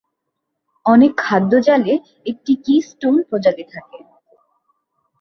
অনেক খাদ্য জালে একটি কি-স্টোন প্রজাতি থাকে।